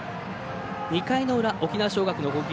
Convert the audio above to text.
２回の裏、沖縄尚学の攻撃。